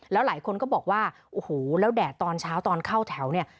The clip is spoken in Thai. แล้วหลายคนก็บอกว่าโอ้โหแล้วแดดตอนเช้าตอนเข้าแถวเนี่ย